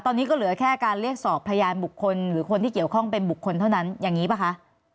ตอนนี้ก็เหลือแค่การเรียกสอบพยานบุคคลหรือคนที่เกี่ยวข้องเป็นบุคคลเท่านั้นอย่างนี้ป่ะคะ